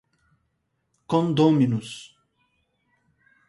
condôminos